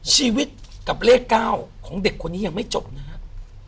ชีวิตกับเลข๙ของเด็กคนนี้ยังไม่จบนะครับ